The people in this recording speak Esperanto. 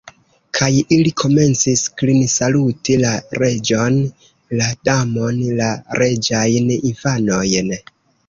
Kaj ili komencis klinsaluti la Reĝon, la Damon, la reĝajn infanojn.